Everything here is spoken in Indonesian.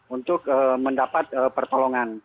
untuk mendapat pertolongan